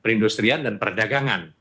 perindustrian dan perdagangan